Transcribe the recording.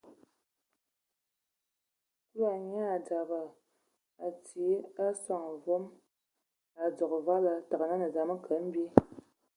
Kulu nyaa dzabag, a atin eson wos, a udzogo vala, nye təgə yəm kə mbil.